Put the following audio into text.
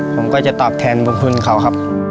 ผมก็จะตอบแทนบุญคุณเขาครับ